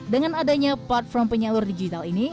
dengan adanya platform penyalur digital ini